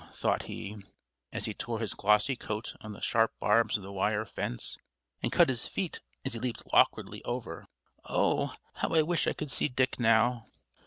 thought he, as he tore his glossy coat on the sharp barbs of the wire fence and cut his feet as he leaped awkwardly over, "Oh! how I wish I could see Dick now."